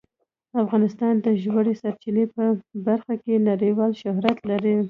افغانستان د ژورې سرچینې په برخه کې نړیوال شهرت لري.